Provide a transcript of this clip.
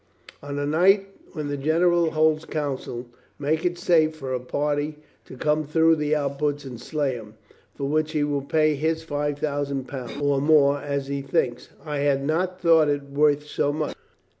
On a night when the generals hold a council, make it safe for a party to come through the outposts and slay them. For which he will pay his five thousand pound, or more, as I think. I had not thought it worth so much."